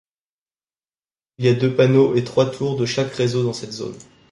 Il y a deux panneaux et trois tours de chaque réseau dans cette zone.